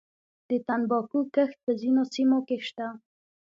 د تنباکو کښت په ځینو سیمو کې شته